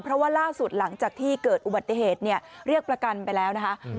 เพราะว่าล่าสุดหลังจากที่เกิดอุบัติเหตุเนี่ยเรียกประกันไปแล้วนะคะ